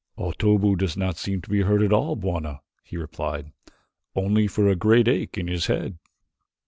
"Otobu does not seem to be hurt at all, Bwana," he replied, "only for a great ache in his head."